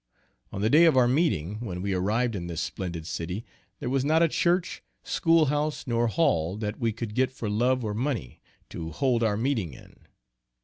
On the day of our meeting, when we arrived in this splendid city there was not a church, school house, nor hall, that we could get for love or money, to hold our meeting in.